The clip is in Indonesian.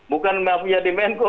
bukan mafia di menko